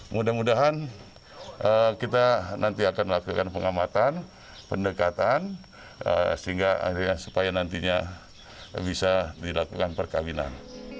mudah mudahan kita nanti akan melakukan pengamatan pendekatan sehingga akhirnya supaya nantinya bisa dilakukan perkawinan